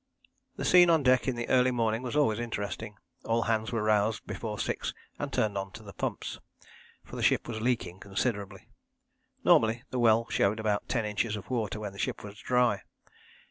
The scene on deck in the early morning was always interesting. All hands were roused before six and turned on to the pumps, for the ship was leaking considerably. Normally, the well showed about ten inches of water when the ship was dry.